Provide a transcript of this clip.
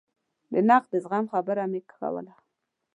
د نقد د زغم خبره مې کوله.